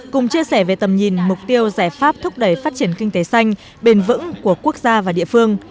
cùng chia sẻ về tầm nhìn mục tiêu giải pháp thúc đẩy phát triển kinh tế xanh bền vững của quốc gia và địa phương